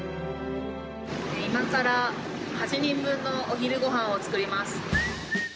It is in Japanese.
今から８人分のお昼ごはんを作ります。